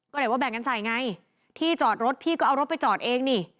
ก็เลยว่าแบ่งกันใส่ไงที่จอดรถพี่ก็เอารถไปจอดเองนี่